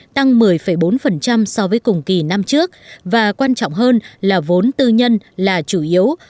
tăng một mươi bốn so với cùng kỳ năm trước và quan trọng hơn là vốn tư nhân là chủ yếu